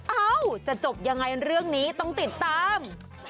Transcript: เอ้าจะจบยังไงเรื่องนี้ต้องติดตาม